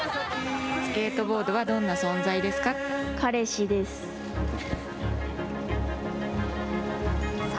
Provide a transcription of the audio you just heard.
スケートボードはどんな存在ですか。